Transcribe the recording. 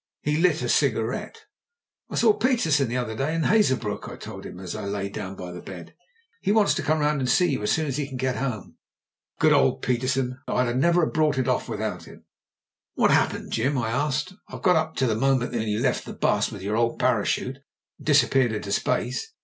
He lit a cigarette. "I saw Petersen the other day in Hazebrouck," I told him as I sat down by the bed. "He wants to come round and see you as soon as he can get home." "Good old Petersen. I'd never have brought it off without him." "What happene4, Jim?" I asked. "I've got up to the moment when you left his bus, with your old para chute, and disappeared into space.